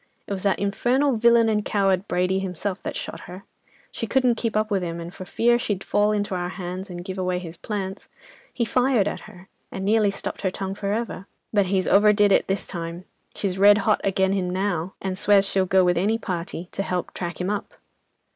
It was that infernal villain and coward, Brady himself, that shot her. She couldn't keep up with him, and for fear she'd fall into our hands, and give away his 'plants,' he fired at her, and nearly stopped her tongue for ever. But he's overdid it this time—she's red hot agen 'im now, and swears she'll go with any party to help track him up."